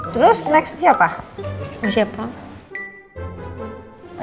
terus next siapa